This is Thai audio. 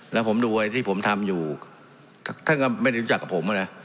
แล้วผมดูไอ้ที่ผมทำอยู่ท่านก็ไม่ได้รู้จักกับผมนะ